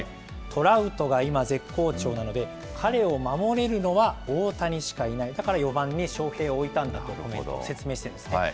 トラウトが今絶好調なので、彼を守れるのは大谷しかいない、だから４番に翔平を置いたんだというふうに説明していますね。